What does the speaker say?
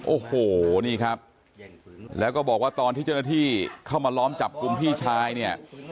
โอ้โหนี่ครับแล้วก็บอกว่าตอนที่เจ้าหน้าที่เข้ามาล้อมจับกลุ่มพี่ชายเนี่ย